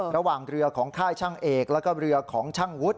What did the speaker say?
ระหว่างเรือของค่ายช่างเอกแล้วก็เรือของช่างวุฒิ